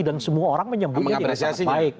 dan semua orang menyambutnya dengan sangat baik